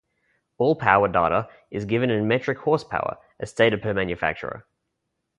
All power data is given in metric horsepower as stated per manufacturer.